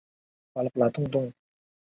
只有方阵才可能有逆矩阵。